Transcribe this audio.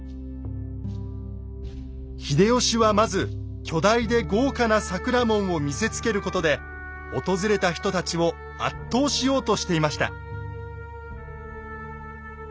秀吉はまず巨大で豪華な桜門を見せつけることで訪れた人たちを圧倒しようとしていました。